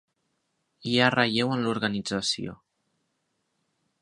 Hi ha relleu en l'organització.